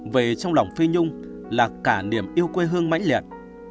về trong lòng phi nhung là cả niềm yêu quê hương mạnh liệt